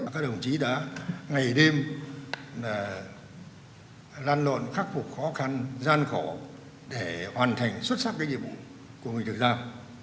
các đồng chí đã ngày đêm lan lộn khắc phục khó khăn gian khổ để hoàn thành xuất sắc cái nhiệm vụ của mình được giao